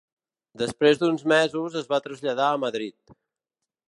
Després d'uns mesos es va traslladar a Madrid.